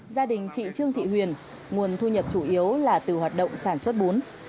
gia đình chị trương thị huyền nguồn thu nhập chủ yếu là từ hoạt động sản xuất bún